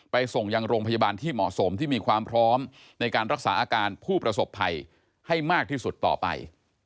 ส่งยังโรงพยาบาลที่เหมาะสมที่มีความพร้อมในการรักษาอาการผู้ประสบภัยให้มากที่สุดต่อไป